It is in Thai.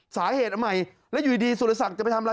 สาเหตุใหม่แล้วอยู่ดีสุรศักดิ์จะไปทำอะไร